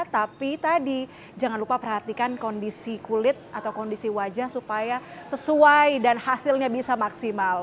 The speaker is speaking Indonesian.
tapi tadi jangan lupa perhatikan kondisi kulit atau kondisi wajah supaya sesuai dan hasilnya bisa maksimal